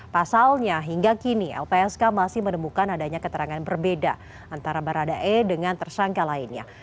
pasalnya hingga kini lpsk masih menemukan adanya keterangan berbeda antara baradae dengan tersangka lainnya